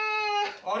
あれ？